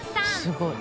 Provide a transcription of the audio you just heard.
すごい。